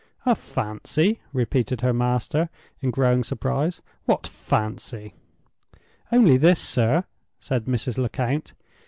"A fancy?" repeated her master, in growing surprise. "What fancy?" "Only this, sir," said Mrs. Lecount.